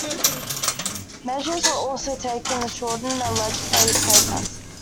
Measures were also taken to shorten the legislative process.